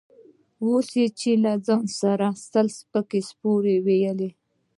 اوس يې له ځان سره سل سپکې سپورې وويلې.